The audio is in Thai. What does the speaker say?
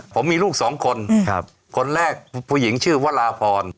ผมมีลูกสองคนคนแรกผู้หญิงชื่อวราพร